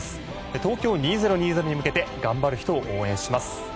東京２０２０に向けて頑張る人を応援します。